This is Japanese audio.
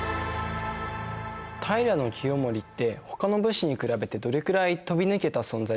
平清盛ってほかの武士に比べてどれくらい飛び抜けた存在だったんですか？